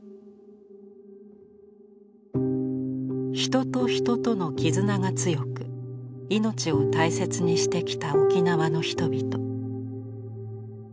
人と人との絆が強く命を大切にしてきた沖縄の人々。